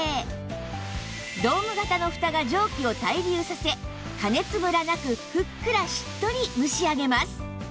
ドーム型のふたが蒸気を対流させ加熱ムラなくふっくらしっとり蒸しあげます